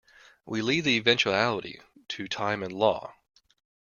We leave the eventuality to time and law.